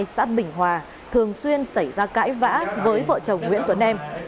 xã bình hòa thường xuyên xảy ra cãi vã với vợ chồng nguyễn tuấn em